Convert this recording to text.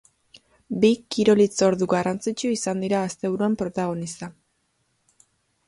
Bi kirol hitzordu garrantzitsu izan dira asteburuan protagonista.